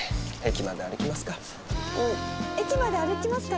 「駅まで歩きますか」